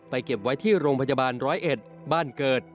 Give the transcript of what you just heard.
เก็บไว้ที่โรงพยาบาลร้อยเอ็ดบ้านเกิด